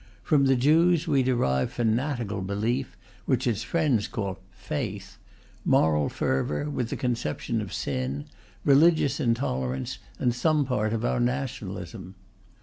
From the Jews we derive fanatical belief, which its friends call "faith"; moral fervour, with the conception of sin; religious intolerance, and some part of our nationalism.